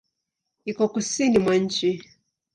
Iko kusini mwa nchi.